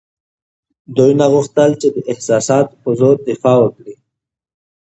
دوی نه غوښتل چې د احساساتو په زور دفاع وکړي.